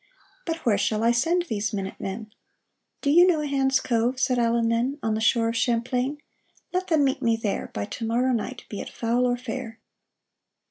But where shall I send these minute men ?"" Do you know Hand's Cove ?" said Allen then, " On the shore of Champlain ? Let them meet me there By to morrow night, be it foul or fair